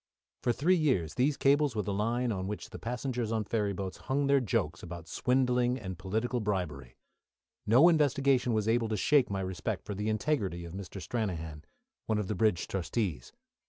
For three years these cables were the line on which the passengers on ferry boats hung their jokes about swindling and political bribery. No investigation was able to shake my respect for the integrity of Mr. Stranahan, one of the bridge trustees.